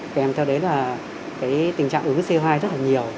kèm theo đấy là cái tình trạng ứng co hai rất là nhiều